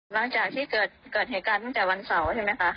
หลังจากที่เกิดเหตุการณ์ตั้งแต่วันเสาร์ใช่ไหมคะ